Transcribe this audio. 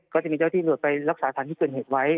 ก็จะมีเจ้าที่จังหลวดไปรักษาทางที่เกินเหตุไว้